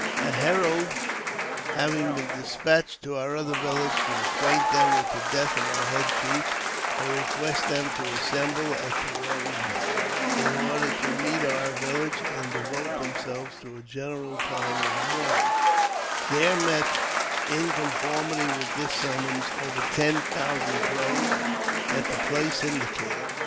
A herald having been despatched to our other village to I acquaint them with the death of our head chief, and request jthem to assemble at the Rose Bud, in order to meet our village land devote themselves to a general time of mourning, there joaet, in conformity wdth this summons, over ten thousand prows at the place indicated.